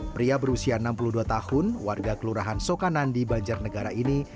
pria berusia enam puluh dua tahun warga kelurahan sokanandi banjarnegara ini